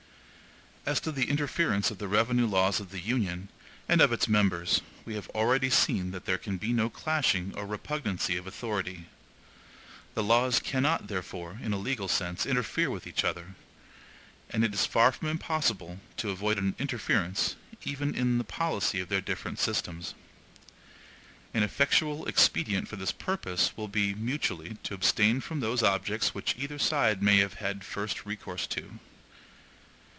As to the interference of the revenue laws of the Union, and of its members, we have already seen that there can be no clashing or repugnancy of authority. The laws cannot, therefore, in a legal sense, interfere with each other; and it is far from impossible to avoid an interference even in the policy of their different systems. An effectual expedient for this purpose will be, mutually, to abstain from those objects which either side may have first had recourse to.